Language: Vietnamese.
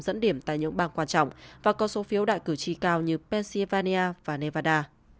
dẫn điểm tại những bang quan trọng và có số phiếu đại cử tri cao như pennsylvania và nevada